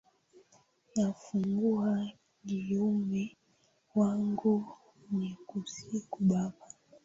Nafungua kinywa changu nikusifu baba.